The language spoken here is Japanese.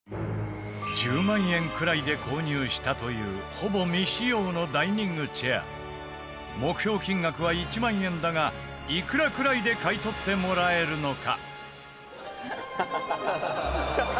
１０万円くらいで購入したというほぼ未使用のダイニングチェア目標金額は１万円だがいくらくらいで買い取ってもらえるのか？